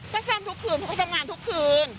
ก็ซ่ำทุกคืนเพราะเขาทำงานทุกคืน